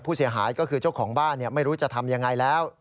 ผู้เสียหายก็คือเจ้าของบ้านไม่รู้จะทำยังไงแล้ว